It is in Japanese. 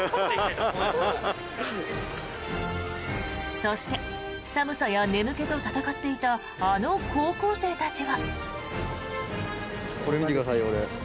そして寒さや眠気と闘っていたあの高校生たちは。